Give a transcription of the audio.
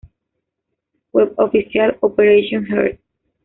Web oficial Operation Earth